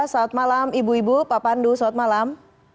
selamat malam ibu ibu pak pandu selamat malam